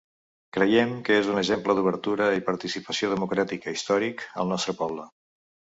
Creiem que és un exemple d’obertura i participació democràtica històric al nostre poble.